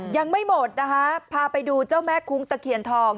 ยังไม่หมดนะคะพาไปดูเจ้าแม่คุ้งตะเคียนทอง